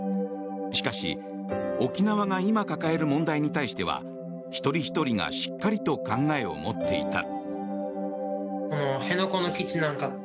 しかし、沖縄が今抱える問題に対しては一人ひとりがしっかりと考えを持っていた。